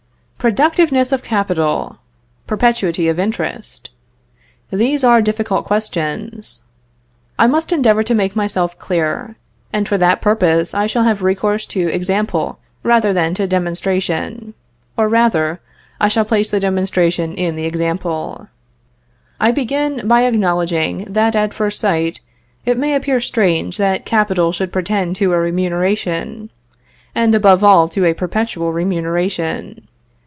Productiveness of capital perpetuity of interest. These are difficult questions. I must endeavor to make myself clear. And for that purpose I shall have recourse to example rather than to demonstration; or rather, I shall place the demonstration in the example. I begin by acknowledging, that, at first sight, it may appear strange that capital should pretend to a remuneration; and, above all, to a perpetual remuneration.